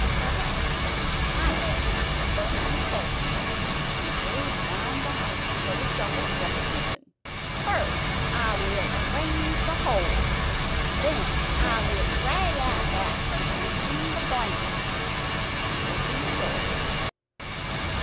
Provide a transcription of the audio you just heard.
Perhaps I may have to burn sulphur." He hurried round the house to get a shovel from the kitchen "First I will arrange the hole then I will drag out that person in the blanket. ..." He opened the door.